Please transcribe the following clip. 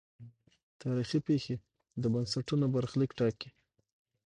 تاریخي پېښې د بنسټونو برخلیک ټاکي.